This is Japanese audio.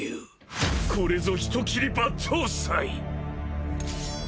これぞ人斬り抜刀斎！